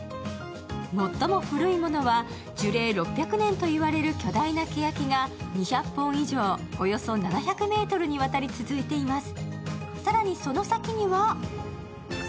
最も古いものは樹齢６００年といわれる巨大なけやきが２００本以上、およそ７００ｍにわたり続いています。